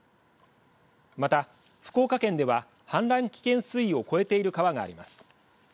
また福岡県では氾濫危険水位を超えている川があります。